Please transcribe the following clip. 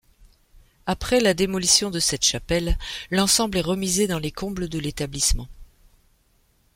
Après la démolition de cette chapelle, l'ensemble est remisé dans les combles de l'établissement.